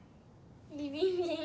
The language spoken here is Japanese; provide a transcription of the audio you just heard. ビビビン？